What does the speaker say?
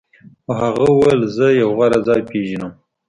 خو هغه وویل زه یو غوره ځای پیژنم